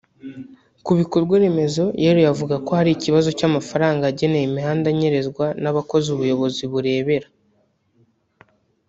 Ku bikorwa remezo yeruye avuga ko hari ikibazo cy’amafaranga yagenewe imihanda anyerezwa n’abakozi ubuyobozi burebera